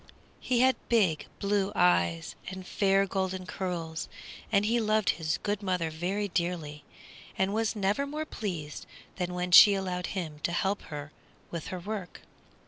He had big blue eyes, and fair golden curls, and he loved his good mother very dearly, and was never more pleased than when she allowed him to help her with her work.